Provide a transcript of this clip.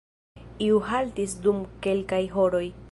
Iu haltis dum kelkaj horoj.